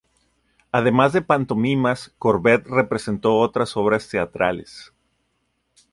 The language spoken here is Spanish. Además de pantomimas, Corbett representó otras obras teatrales.